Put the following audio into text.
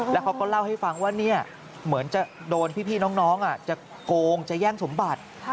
แล้วเขาก็เล่าให้ฟังว่าเหมือนจะโดนพี่น้องจะโกงจะแย่งสมบัติ